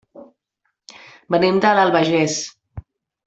Venim de l'Albagés.